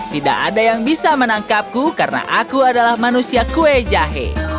tidak ada yang bisa menangkapku karena aku adalah manusia kue jahe